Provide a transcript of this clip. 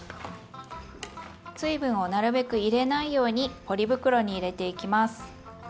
水分をなるべく入れないようにポリ袋に入れていきます。